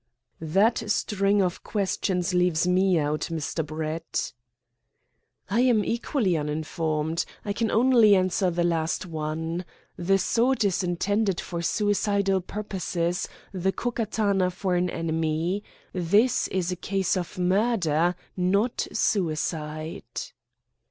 "That string of questions leaves me out, Mr. Brett." "I am equally uninformed. I can only answer the last one. The sword is intended for suicidal purposes, the Ko Katana for an enemy. This is a case of murder, not suicide."